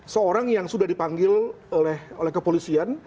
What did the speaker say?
seorang yang sudah dipanggil oleh kepolisian